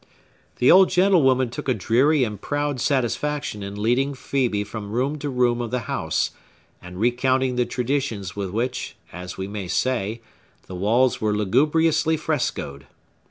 The old gentlewoman took a dreary and proud satisfaction in leading Phœbe from room to room of the house, and recounting the traditions with which, as we may say, the walls were lugubriously frescoed.